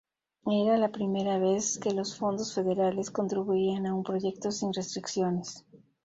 Era la primera vez que los fondos federales contribuían a un proyecto sin restricciones.